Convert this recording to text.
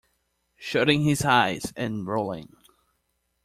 Shutting his eyes and rolling.